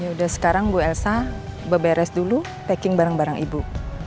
ya udah sekarang bu elsa beberes dulu packing barang barang ibu